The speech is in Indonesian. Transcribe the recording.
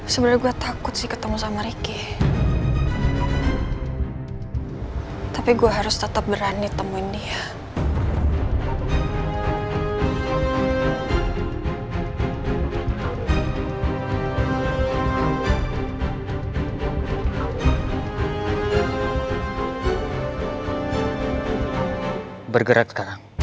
saya juga sempat melihat orang itu pak